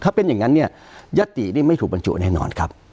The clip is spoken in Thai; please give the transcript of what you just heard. ถ้าเป็นอย่างนั้นยัตติไม่ถูกประจุแน่นอนครับ